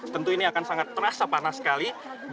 tentu ini akan sangat terasa panas sekali